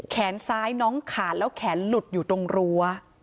แขนซ้ายน้องขาดแล้วแขนหลุดอยู่ตรงรั้ว